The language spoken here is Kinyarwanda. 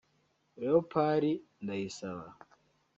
Léopold Ndayisaba